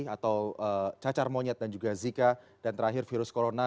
atau cacar monyet dan juga zika dan terakhir virus corona dua ribu sembilan belas